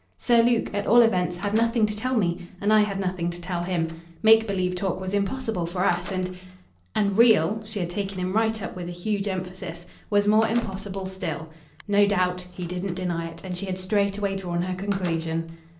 "Sir Luke, at all events, had nothing to tell me, and I had nothing to tell him. Make believe talk was impossible for us, and " "And REAL" she had taken him right up with a huge emphasis "was more impossible still." No doubt he didn't deny it; and she had straightway drawn her conclusion.